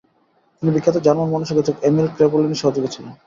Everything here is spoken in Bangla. তিনি বিখ্যাত জার্মান মনোচিকিৎসক এমিল ক্রেপেলিনের সহযোগী ছিলেন।